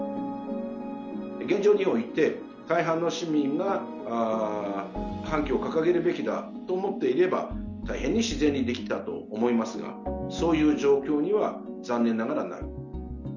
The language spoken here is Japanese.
現状において、大半の市民が半旗を掲げるべきだと思っていれば、大変に自然にできたと思いますが、そういう状況には残念ながらない。